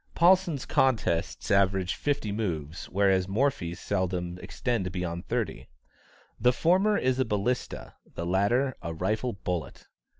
Paulsen's contests average fifty moves, whereas Morphy's seldom extend beyond thirty. The former is a balista, the latter, a rifle bullet.